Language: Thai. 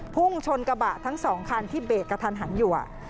พุ่งชนกระบะทั้งสองคันที่เบรกกระทันหันอยู่